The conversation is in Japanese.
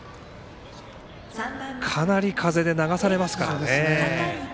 かなり風で流されますからね。